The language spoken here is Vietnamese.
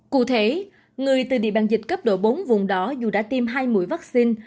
cụ thể người từ địa bàn dịch cấp độ bốn vùng đó dù đã tiêm hai mũi vaccine